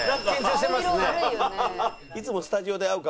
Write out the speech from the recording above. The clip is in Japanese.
いつもスタジオで会う顔